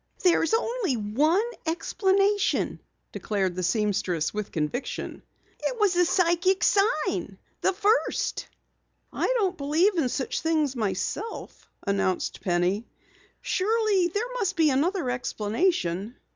"There's only one explanation," declared the seamstress with conviction. "It was a psychic sign the first." "I don't believe in such things myself," announced Penny. "Surely there must be another explanation."